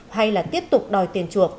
hay là tiếp tục đòi tiền chuộc